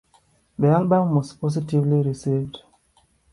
The album was positively received.